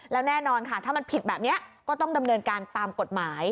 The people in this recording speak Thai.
แล้วแน่นอนค่ะถ้ามันผิดแบบนี้ก็ต้องดำเนินการตามกฎหมาย